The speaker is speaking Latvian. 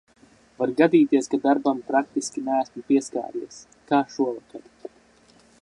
Var gadīties, ka darbam praktiski neesmu pieskāries. Kā šovakar.